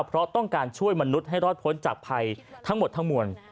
เพราะต้องการช่วยมนุษย์ให้รอดพ้นจากภัยทั้งหมดทั้งมวล